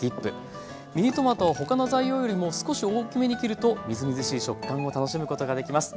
ミニトマトを他の材料よりも少し大きめに切るとみずみずしい食感を楽しむことができます。